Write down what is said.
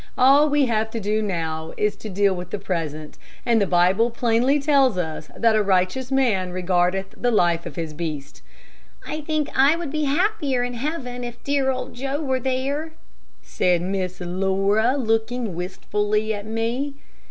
All we have to do now is to deal with the present, and the Bible plainly tells us that 'a righteous man regardeth the life of his beast.'" "I think I would be happier in heaven if dear old Joe were there," said Miss Laura, looking wistfully at me.